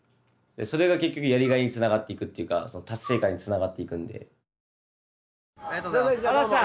それが結局やりがいにつながっていくっていうか達成感につながっていくんで。